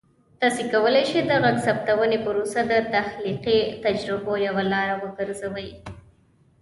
تاسو کولی شئ د غږ ثبتولو پروسه د تخلیقي تجربو یوه لاره وګرځوئ.